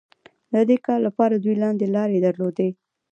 د دې کار لپاره دوی لاندې لارې درلودې.